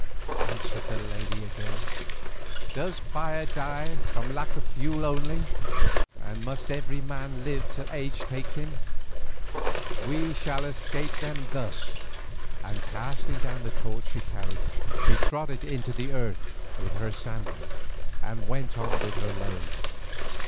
answered the lady again, "does fire die from lack of fuel only, and must every man live till age takes him? We shall escape them thus," and casting down the torch she carried, she trod it into the earth with her sandal, and went on with her load.